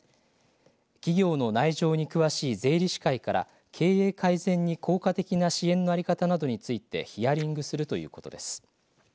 企業の内情に詳しい税理士会から経営改善に効果的な支援の在り方などについてヒアリングするということです。